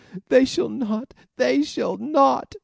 they shall not! they shall not!"